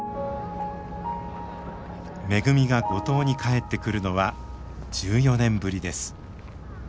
めぐみが五島に帰ってくるのは１４年ぶりです。